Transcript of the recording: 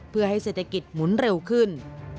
เพื่อให้เศรษฐกิจหมุนเร็วขึ้น